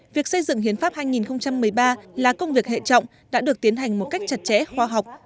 việc xây dựng hiến pháp hai nghìn một mươi ba là công việc hệ trọng đã được tiến hành một cách chặt chẽ khoa học